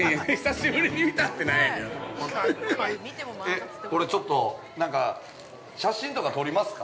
◆えっ、これちょっと写真とか撮りますか。